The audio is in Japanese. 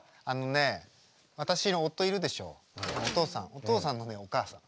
おとうさんのねお母さん。